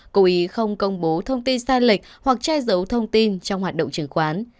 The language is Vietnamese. cố ý không công bố thông tin sai lệch hoặc che giấu thông tin trong hoạt động chứng khoán